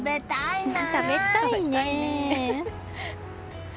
食べたいね！